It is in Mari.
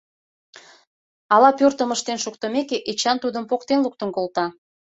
Ала пӧртым ыштен шуктымеке, Эчан тудым поктен луктын колта.